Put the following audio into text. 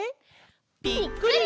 ぴっくり！